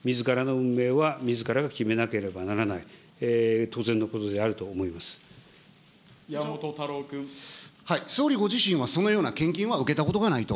運命はみずからが決めなければならない、当然のことで山本太郎君。総理ご自身はそのような献金は受けたことがないと。